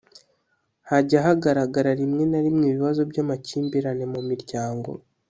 hajya hagaragara rimwe na rimwe ibibazo by’amakimbirane mu miryango